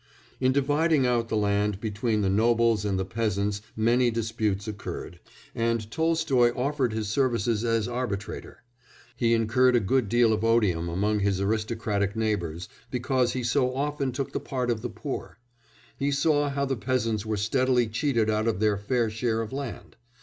In dividing out the land between the nobles and the peasants many disputes occurred, and Tolstoy offered his services as arbitrator; he incurred a good deal of odium among his aristocratic neighbours because he so often took the part of the poor; he saw how the peasants were steadily cheated out of their fair share of land.